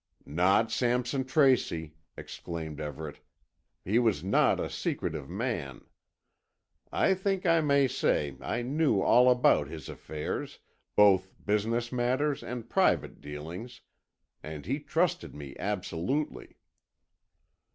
"Not Sampson Tracy," exclaimed Everett. "He was not a secretive man. I think I may say I knew all about his affairs, both business matters and private dealings, and he trusted me absolutely."